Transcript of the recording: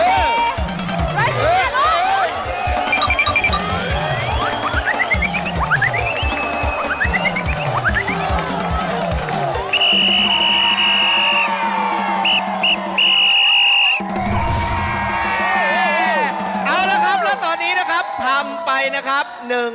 เอาละครับแล้วตอนนี้นะครับทำไปนะครับ